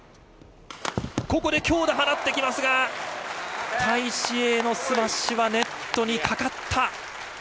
ここで強打を放ってきますがタイ・シエイのスマッシュはネットにかかった。